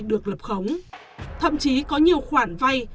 được lập khống thậm chí có nhiều khoản vay